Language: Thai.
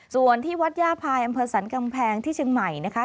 ส่วนที่วัดย่าพายอำเภอสรรกำแพงที่เชียงใหม่นะคะ